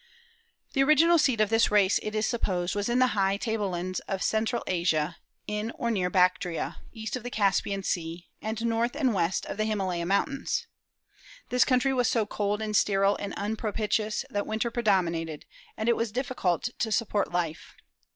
The original seat of this race, it is supposed, was in the high table lands of Central Asia, in or near Bactria, east of the Caspian Sea, and north and west of the Himalaya Mountains. This country was so cold and sterile and unpropitious that winter predominated, and it was difficult to support life.